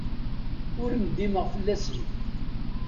Ur ndimeɣ fell-asent.